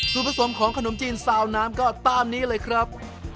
ส่วนผสมของขนมจีนซาวน้ำก็ตามนี้เลยครับ